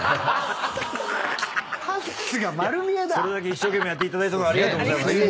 一生懸命やっていただいたのはありがとうございます。